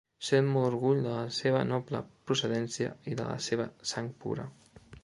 Sent molt orgull de la seva noble procedència i de la seva sang pura.